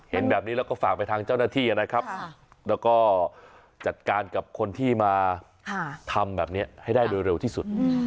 เห็นแบบนี้แล้วก็ฝากไปทางเจ้าหน้าที่นะครับแล้วก็จัดการกับคนที่มาทำแบบนี้ให้ได้โดยเร็วที่สุด